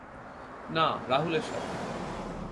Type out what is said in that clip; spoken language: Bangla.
না, রাহুলের সাথে।